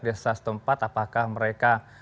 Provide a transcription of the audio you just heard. desa setempat apakah mereka